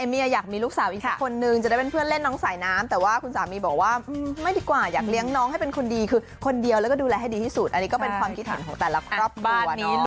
พี่หนุ่มบอกว่าเลี้ยงคนเดียวเลี้ยงให้ดีไปเลย